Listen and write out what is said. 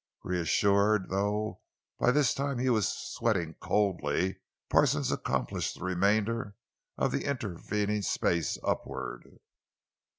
Reassured, though by this time he was sweating coldly, Parsons accomplished the remainder of the intervening space upward.